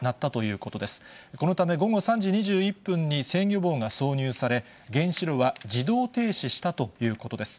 このため、午後３時２１分に制御棒が挿入され、原子炉は自動停止したということです。